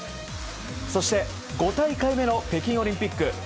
そして、５大会目の北京オリンピック。